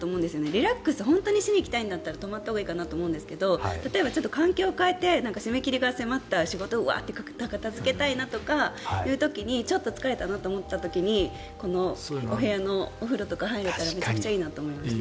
リラックス本当にしに行きたいんだったら泊まったほうがいいかなと思うんですが例えばちょっと環境を変えて締め切りが迫った仕事を片付けたいなという時にちょっと疲れたなと思った時にこのお部屋のお風呂とか入れたらめちゃくちゃいいなと思っています。